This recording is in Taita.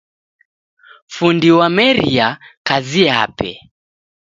Fundi wameria kazi yape